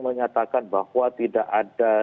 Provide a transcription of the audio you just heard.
menyatakan bahwa tidak ada